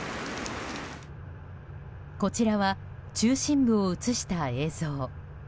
こちらは、中心部を映した映像。